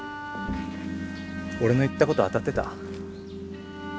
俺の言ったこと当たってた？